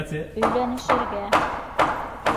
Өйләнешергә.